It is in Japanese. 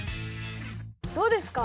どうですか？